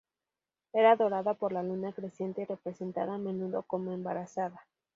Era adorada por la luna creciente y representada a menudo como embarazada.